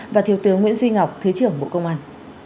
và thiếu tướng nguyễn duy ngọc thứ trưởng bộ công an